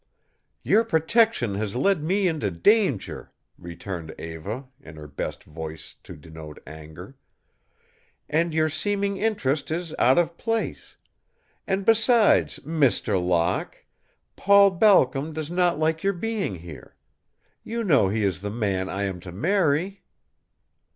"Your protection has led me into danger," returned Eva, in her best voice to denote anger, "and your seeming interest is out of place and, besides, Mr. Locke, Paul Balcom does not like your being here. You know he is the man I am to marry."